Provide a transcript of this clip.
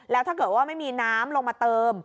แล้วถ้าเกิดว่าไม่มีน้ำลงมาเติม